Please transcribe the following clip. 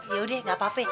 ya udah nggak apa apa